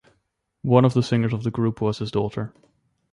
One of the singers of the group was his daughter.